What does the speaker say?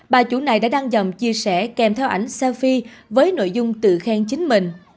bà chủ này đã đăng dòng chia sẻ kèm theo ảnh safi với nội dung tự khen chính mình